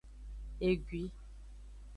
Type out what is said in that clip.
Egui.